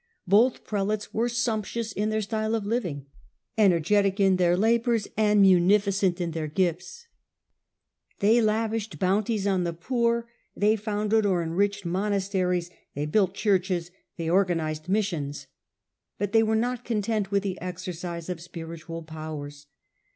Both prelates were sumptuous in their style of living, ener getic in their labours, and munificent in their gifts; they lavished bounties on the poor, they founded or enriched monasteries, they built churches, they organised missions. But they were not content with the exercise of spiritual powers.